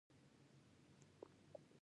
آیا د زیار او همت کیسه نه ده؟